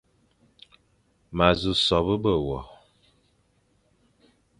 M a nsu sobe ebe we,